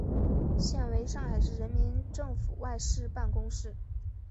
现为上海市人民政府外事办公室。